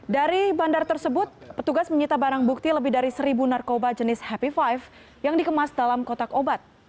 dari bandar tersebut petugas menyita barang bukti lebih dari seribu narkoba jenis happy five yang dikemas dalam kotak obat